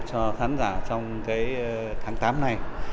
cho khán giả trong cái tháng tám này